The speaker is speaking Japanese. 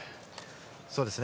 そうですね。